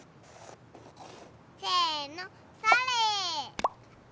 せのそれ！